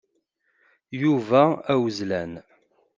Yuba awezlan.